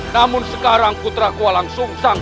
namun sekarang putra ku langsung sangkab